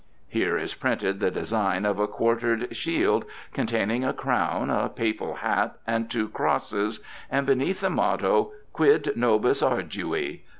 (Here is imprinted the design of a quartered shield containing a crown, a Papal hat, and two crosses, and, beneath, the motto: "Quid Nobis Ardui.")